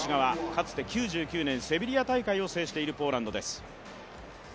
かつて９９年セビリア大会を制しているポーランドです。